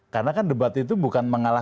karena kan debat itu bukan mengalami